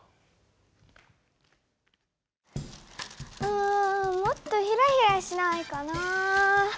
うんもっとヒラヒラしないかな。